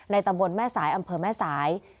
ตำบลแม่สายอำเภอแม่สาย